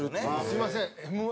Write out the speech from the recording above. すみません。